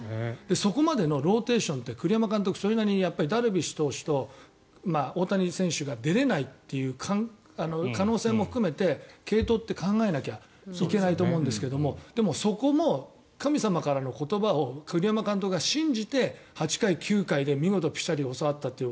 そこまでのローテーションって栗山監督はそれなりにダルビッシュ投手と大谷選手が出れないっていう可能性も含めて継投って考えなきゃいけないと思うんですがでも、そこも神様からの言葉を栗山監督が信じて８回、９回で見事ピシャリ教わったという。